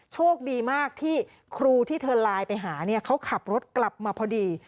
โชคดีมากที่ครูที่เธอไลน์ไปหาเนี่ยเขาขับรถกลับมาพอดี